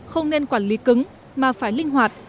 không nên quản lý cứng mà phải linh hoạt